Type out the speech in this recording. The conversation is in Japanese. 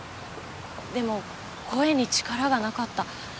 でも声に力がなかった。